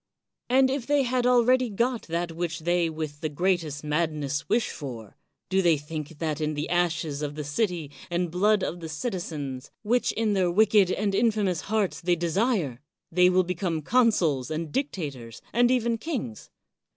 And if they had already got that which they with the greatest madness wish for, do they think that in the ashes of the city and blood of the citizens, which in their wicked and infamous hearts they desire, they will become consuls and dictators and even kings?